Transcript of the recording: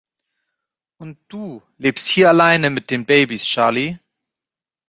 Und du lebst hier alleine mit den Babys, Charley?